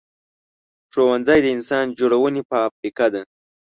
ښوونځی د انسان جوړونې فابریکه ده